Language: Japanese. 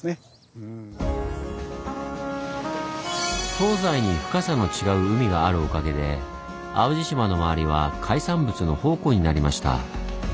東西に深さの違う海があるおかげで淡路島の周りは海産物の宝庫になりました。